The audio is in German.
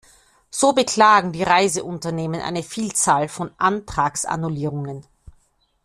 So beklagen die Reiseunternehmen eine Vielzahl von Auftragsannullierungen.